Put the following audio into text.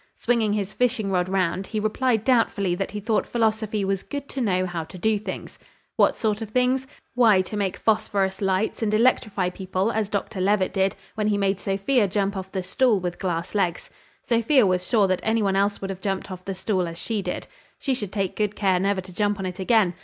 Swinging his fishing rod round, he replied doubtfully that he thought philosophy was good to know how to do things. What sort of things? Why, to make phosphorus lights, and electrify people, as Dr Levitt did, when he made Sophia jump off the stool with glass legs. Sophia was sure that any one else would have jumped off the stool as she did. She should take good care never to jump on it again.